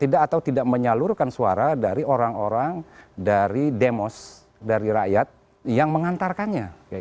tidak atau tidak menyalurkan suara dari orang orang dari demos dari rakyat yang mengantarkannya